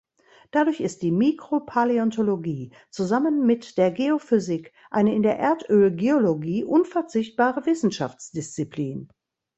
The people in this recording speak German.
Dadurch ist die Mikropaläontologie zusammen mit der Geophysik eine in der Erdölgeologie unverzichtbare Wissenschaftsdisziplin.